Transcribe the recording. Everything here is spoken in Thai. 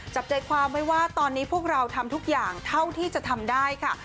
จับใจความไว้ว่าตอนนี้พวกเราทำทุกอย่างเท่าที่จะทำได้ค่ะ